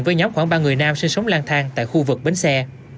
với nhóm khoảng ba người nam sinh sống lang thang tại khu vực bến xe